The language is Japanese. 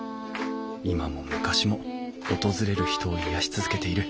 今も昔も訪れる人を癒やし続けている。